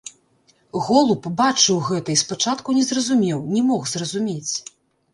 Голуб бачыў гэта і спачатку не зразумеў, не мог зразумець.